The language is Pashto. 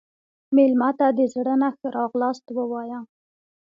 مېلمه ته د زړه نه ښه راغلاست ووایه.